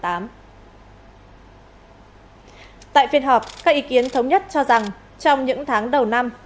tại phiên họp các ý kiến thống nhất cho rằng trong những tháng đầu năm